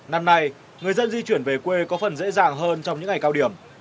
năm nay người dân di chuyển về quê có phần dễ dàng hơn trong những ngày cao điểm